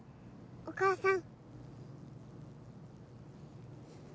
お母さん。